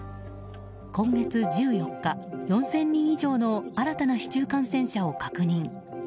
今月１４日、４０００人以上の新たな市中感染者を確認。